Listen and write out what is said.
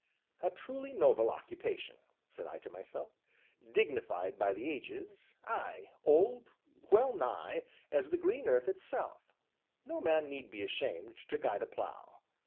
"A truly noble occupation!" said I to myself, "dignified by the ages ay old, well nigh, as the green earth itself; no man need be ashamed to guide a plough."